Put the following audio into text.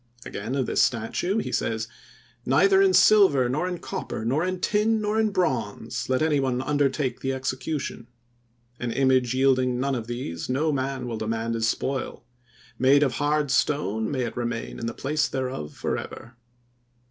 Again of this statue he says: "Neither in silver, nor in copper, nor in tin, nor in bronze let any one undertake the execution. An image yielding none of these no man will demand as spoil; made of hard stone may it remain in the place thereof, forever."